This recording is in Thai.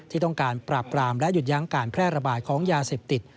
ที่ต้องการปราบปรามและหยุดยั้งการแพร่ระบาดของยาเสพติด